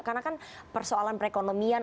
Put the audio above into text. karena kan persoalan perekonomian